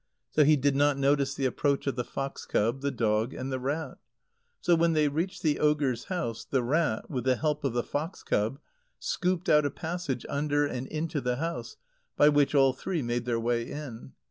So he did not notice the approach of the fox cub, the dog, and the rat. So when they reached the ogre's house, the rat, with the help of the fox cub, scooped out a passage under and into the house, by which all three made their way in.